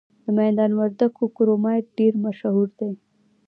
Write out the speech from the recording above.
د میدان وردګو کرومایټ ډیر مشهور دی.